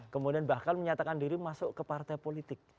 kemudian bahkan menyatakan diri masuk ke partai politik